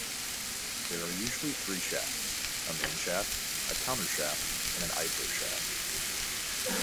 There are usually three shafts: a mainshaft, a countershaft, and an idler shaft.